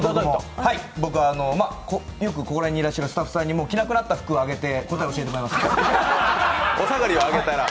僕は、よくここら辺にいらっしゃるスタッフさんに着なくなった服をあげてこれを教えてもらいました。